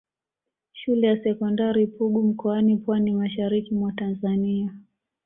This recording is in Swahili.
Shule ya sekondari Pugu mkoani Pwani mashariki mwa Tanzania